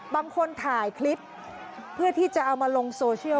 บางคนถ่ายคลิปเพื่อที่จะเอามาลงโซเชียล